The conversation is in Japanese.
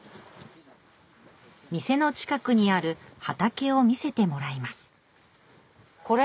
店の近くにある畑を見せてもらいますこれ？